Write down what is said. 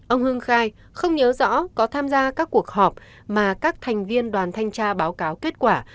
ông hưng khai không nhớ rõ có tham gia các cuộc họp mà các thành viên đoàn thanh tra báo cáo kết quả